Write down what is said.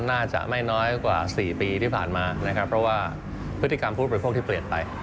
น่าจะไม่น้อยกว่า๔ปีที่ผ่านมานะครับเพราะว่าพฤติกรรมผู้บริโภคที่เปลี่ยนไป